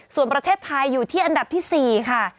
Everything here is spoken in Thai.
ส่วนประเทศไทยอยู่ที่อันดับที่๔ค่ะ